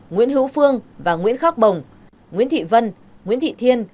nguyễn hữu phương và nguyễn khắc bồng nguyễn thị vân nguyễn thị thiên